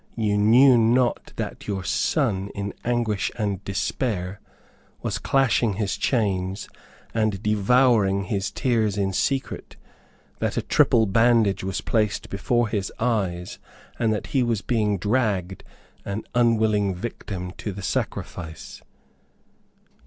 You knew not that your son, in anguish and despair, was clashing his chains, and devouring his tears in secret; that a triple bandage was placed before his eyes, and that he was being dragged, an unwilling victim, to the sacrifice."